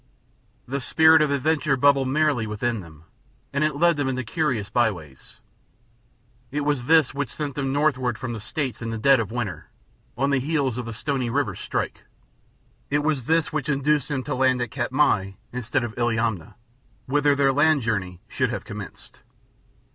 The spirit of adventure bubbled merrily within them, and it led them into curious byways. It was this which sent them northward from the States in the dead of winter, on the heels of the Stony River strike; it was this which induced them to land at Katmai instead of Illiamna, whither their land journey should have commenced.